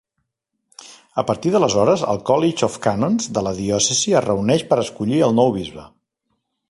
A partir d'aleshores, el College of Canons de la diòcesi es reuneix per escollir el nou bisbe.